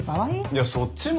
いやそっちもね。